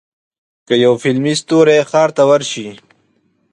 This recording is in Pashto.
که یو فلمي ستوری ښار ته ورشي.